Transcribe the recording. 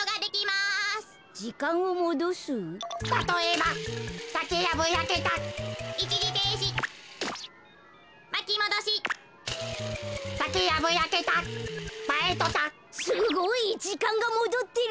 すごい！じかんがもどってる。